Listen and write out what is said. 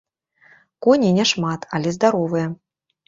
Коней няшмат, але здаровыя.